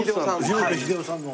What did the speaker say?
藤本英雄さんの？